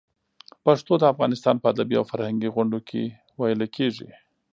پښتو د افغانستان په ادبي او فرهنګي غونډو کې ویلې کېږي.